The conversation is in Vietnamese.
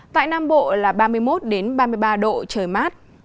tại nam bộ là ba mươi một ba mươi ba độ trời mát